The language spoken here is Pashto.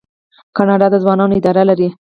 کاناډا د ځوانانو اداره لري.